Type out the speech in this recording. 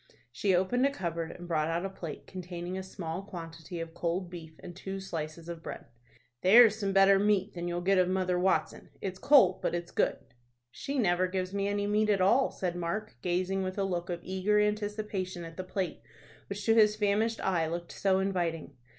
She opened a cupboard, and brought out a plate containing a small quantity of cold beef, and two slices of bread. "There's some better mate than you'll get of Mother Watson. It's cold, but it's good." "She never gives me any meat at all," said Mark, gazing with a look of eager anticipation at the plate which to his famished eye looked so inviting.